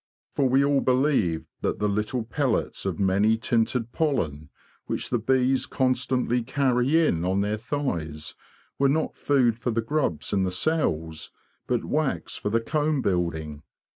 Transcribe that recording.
For we all believed that the little pellets of many tinted pollen which the bees constantly carry' in on their thighs were not food for the grubs in the cells, but wax for the comb building.